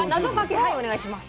はいお願いします。